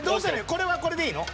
これはこれでいいの？